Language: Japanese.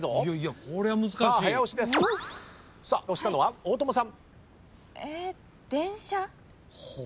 押したのは大友さん。